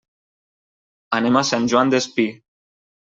Anem a Sant Joan Despí.